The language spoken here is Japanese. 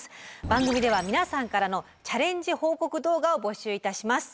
番組では皆さんからのチャレンジ報告動画を募集いたします。